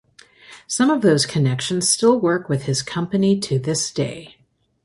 Some of those connections still work with his company to this day.